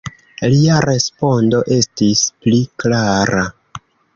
Lia respondo estis pli klara.